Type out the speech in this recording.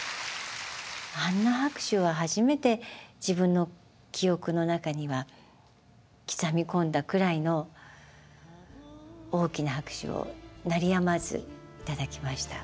あんな拍手は初めて自分の記憶の中には刻み込んだくらいの大きな拍手を鳴りやまず頂きました。